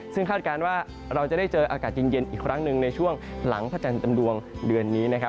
ซึ่งคาดการณ์ว่าเราจะได้เจออากาศเย็นอีกครั้งหนึ่งในช่วงหลังพระจันทร์จำดวงเดือนนี้